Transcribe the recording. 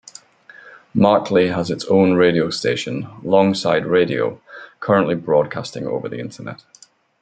Martley has its own radio station, "Longside Radio", currently broadcasting over the Internet.